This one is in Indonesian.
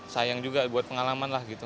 sayang juga buat pengalaman lah gitu